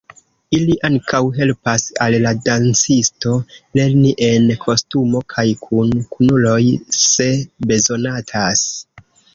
Ili ankaŭ helpas al la dancisto lerni en kostumo kaj kun kunuloj, se bezonatas.